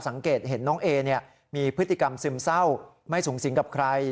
สังเกตเห็นน้องเอมีพฤติกรรมซึมเศร้าไม่สูงสิงกับใคร